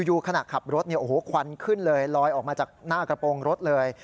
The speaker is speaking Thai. อยู่ขณะขับรถเนี่ยโอ้โหควันขึ้นเลยลอยออกมาจากหน้ากระโปรงรถเลย